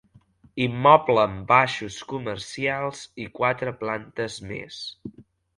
Immoble amb baixos comercials i quatre plantes més.